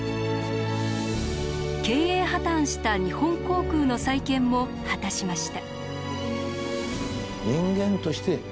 経営破綻した日本航空の再建も果たしました。